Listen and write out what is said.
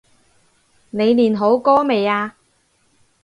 你練好歌未呀？